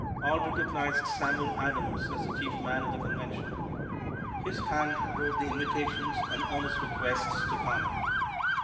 All recognized Samuel Adams as the chief man of the Convention. His hand wrote the invitations and earnest requests to come.